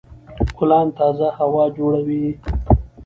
ګلان تازه هوا جوړوي.